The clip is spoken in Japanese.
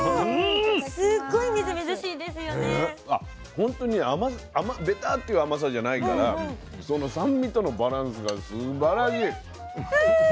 ほんとにベタッていう甘さじゃないからその酸味とのバランスがすばらしい。